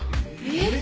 えっ？